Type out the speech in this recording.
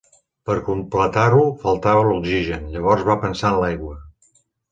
Per completar-ho faltava l'oxigen, llavors va pensar en l'aigua.